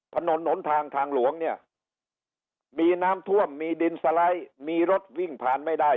ถนนหนทางทางหลวงเนี่ยมีน้ำท่วมมีดินสไลด์มีรถวิ่งผ่านไม่ได้